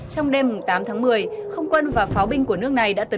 trong đêm tám tháng một mươi không quân và pháo binh của israel đã bị bắt làm con tin